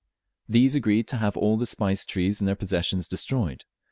These agreed to have all the spice trees in their possessions destroyed.